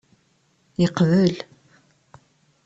Yeqbel.